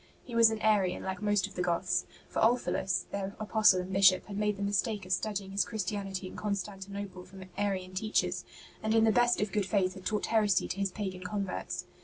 He was an Arian like most of the Goths; for Ulfilas, their apostle and Bishop, had made the mistake of studying his Christianity in Constantinople from Arian teachers, and in the best of good faith had taught heresy to his pagan converts.